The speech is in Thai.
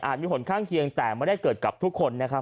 อาจมีผลข้างเคียงแต่ไม่ได้เกิดกับทุกคน